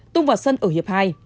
tung vào sân ở hiệp hai